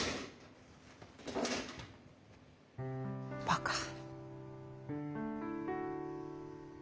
バカ。